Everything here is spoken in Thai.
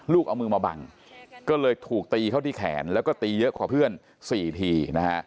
เอามือมาบังก็เลยถูกตีเข้าที่แขนแล้วก็ตีเยอะกว่าเพื่อน๔ทีนะฮะ